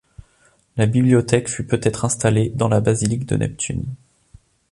La bibliothèque fut peut-être installée dans la basilique de Neptune.